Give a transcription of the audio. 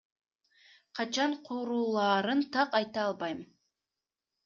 Качан курулаарын так айта албайм.